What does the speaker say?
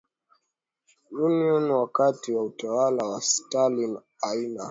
Union wakati wa utawala wa Stalin Aina